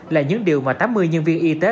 là những điều mà tám mươi nhân viên y tế